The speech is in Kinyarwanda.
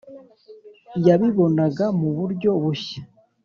. Yabibonaga mu buryo bushya.